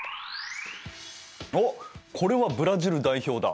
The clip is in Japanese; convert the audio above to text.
おっこれはブラジル代表だ。